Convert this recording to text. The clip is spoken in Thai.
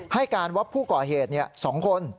ให้การว่าผู้ก่อเหตุ๒คน